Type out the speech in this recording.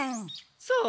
そう。